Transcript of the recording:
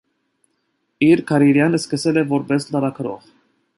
Իր կարիերան սկսել է որպես լրագրող։